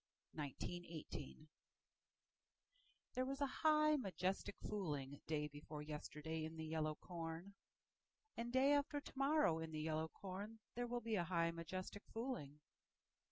Laughing Corn THERE was a high majestic foolingDay before yesterday in the yellow corn. And day after to morrow in the yellow cornThere will be high majestic fooling.